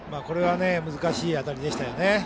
難しい当たりでしたね。